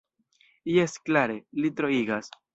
Jes klare, li troigas.